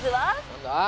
何だ？